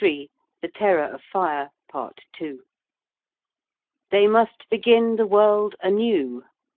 THE TERROR OF FIRE. PART II. They must begin the world anew.